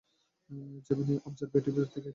Gemini Observatory থেকে এর ছবি তোলা হয়েছে।